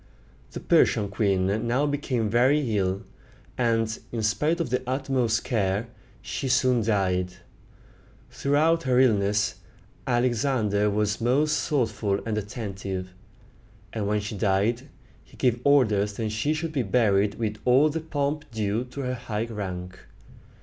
The Persian queen now became very ill, and, in spite of the utmost care, she soon died. Throughout her illness, Alexander was most thoughtful and attentive; and when she died, he gave orders that she should be buried with all the pomp due to her high rank.